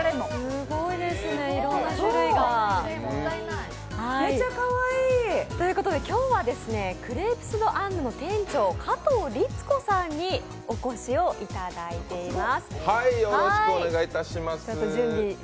すごいですね、いろんな種類が、ということで、今日はクレープス・ド・アンヌの店長、加藤里津子さんにお越しいただいています。